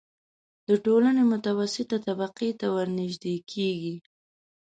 د ټولنې متوسطې طبقې ته ورنژدې کېږي.